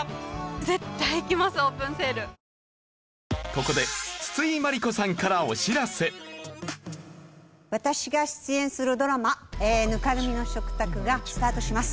ここで私が出演するドラマ『泥濘の食卓』がスタートします。